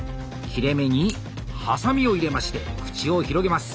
切れ目にハサミを入れまして口を広げます。